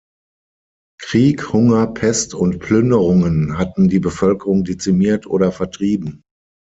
Krieg, Hunger, Pest und Plünderungen hatten die Bevölkerung dezimiert oder vertrieben.